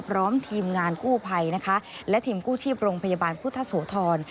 พร้อมทีมงานกู้ภัยนะคะและทีมกู้ชีพโรงพยาบาลพุทธโสธร